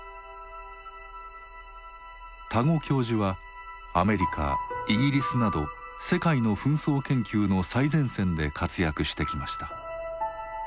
多湖教授はアメリカイギリスなど世界の紛争研究の最前線で活躍してきました。